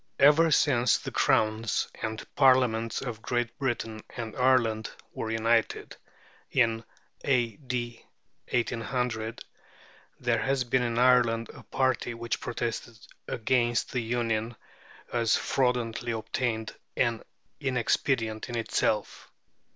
Ever since the crowns and parliaments of Great Britain and Ireland were united, in A.D. 1800, there has been in Ireland a party which protested against that union as fraudulently obtained and inexpedient in itself.